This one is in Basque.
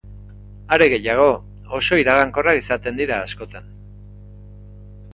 Are gehiago, oso iragankorrak izaten dira askotan.